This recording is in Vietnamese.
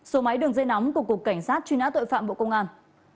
số máy đường dây nóng của cục cảnh sát truy nã tội phạm bộ công an